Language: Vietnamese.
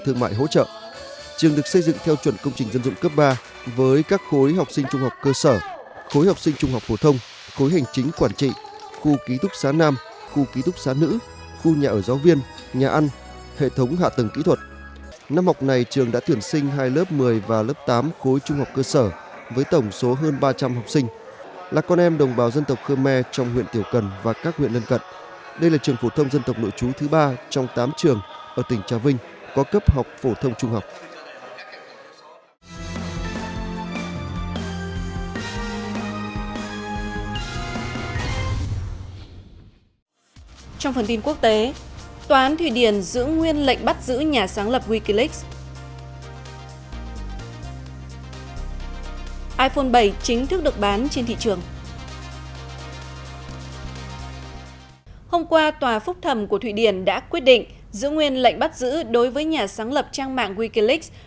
hôm qua tòa phúc thẩm của thụy điển đã quyết định giữ nguyên lệnh bắt giữ đối với nhà sáng lập trang mạng wikileaks julian assange